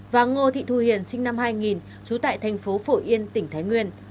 và ngô thị thu hiền sinh năm hai nghìn trú tại thành phố phổ yên tỉnh thái nguyên